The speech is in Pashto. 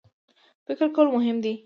فکر کول مهم دی.